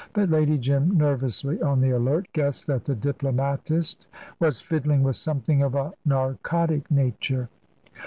But Lady Jim nervously on the alert guessed that the diplomatist was fiddling with something of a narcotic nature.